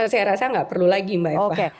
saya rasa nggak perlu lagi mbak eva